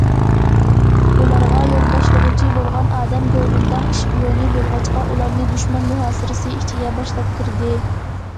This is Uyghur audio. ئۇلارغا‹‹ يول باشلىغۇچى›› بولغان ئادەم گومىنداڭ ئىشپىيونى بولغاچقا، ئۇلارنى دۈشمەن مۇھاسىرىسى ئىچىگە باشلاپ كىردى.